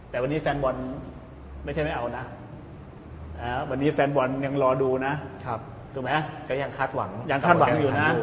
แต่วันนี้แฟนบอลไม่ใช่ไม่เอานะวันนี้แฟนบอลยังรอดูนะยังคาดหวังอยู่นะ